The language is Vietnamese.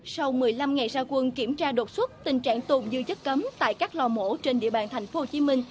sau một mươi năm ngày gia quân kiểm tra đột xuất tình trạng tồn dư chất cấm tại các lò mổ trên địa bàn tp hcm